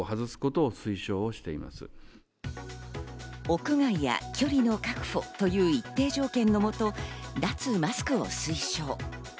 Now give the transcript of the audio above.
屋外や距離の確保という一定の条件のもと、脱マスクを推奨。